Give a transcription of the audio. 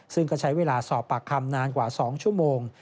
ซึ่งก็ใช้เวลาสอบปากคำนานกว่า๒ชั่วโมง